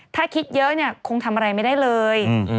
ถ้าคิดเยอะเนี่ยคงทำอะไรไม่ได้เลย